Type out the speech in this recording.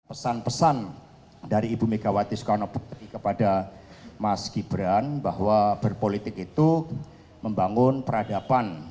pesan pesan dari ibu megawati soekarno putri kepada mas gibran bahwa berpolitik itu membangun peradaban